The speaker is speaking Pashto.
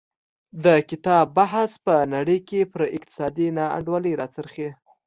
د کتاب بحث په نړۍ کې پر اقتصادي نا انډولۍ راڅرخي.